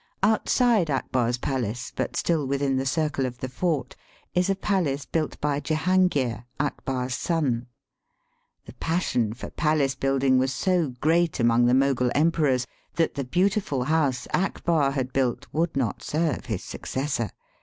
Outside Akbar's palace, but still within the circle of the fort, is a palace built by Jehangir, Akbar's son. The passion for palace building was so great among the Mogul emperors that the beautiful house Akbar had built would not serve his successor.